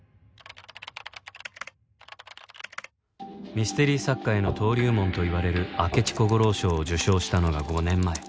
ミステリ作家への登竜門といわれる明智小五郎賞を受賞したのが５年前